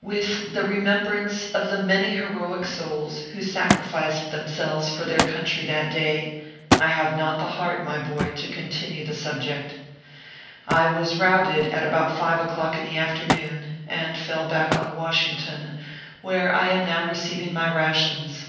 With the remembrance of the many heroic souls who sacrificed themselves for their country that day, I have not the heart, my boy, to continue the sub ject. I was routed at about five o clock in the after noon, and fell back on Washington, where I am now receiving my rations.